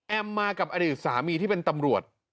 มากับอดีตสามีที่เป็นตำรวจ